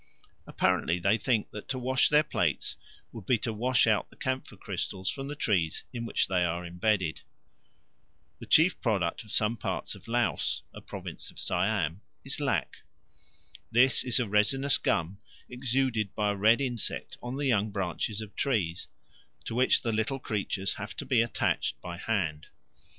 Apparently they think that to wash their plates would be to wash out the camphor crystals from the trees in which they are imbedded. The chief product of some parts of Laos, a province of Siam, is lac. This is a resinous gum exuded by a red insect on the young branches of trees, to which the little creatures have to be attached by hand.